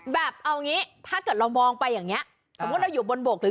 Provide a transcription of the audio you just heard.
แบบเอางี้ถ้าเกิดเรามองไปอย่างนี้สมมุติเราอยู่บนบกหรือ